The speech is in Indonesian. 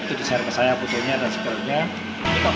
itu deserba saya putranya dan sekolahnya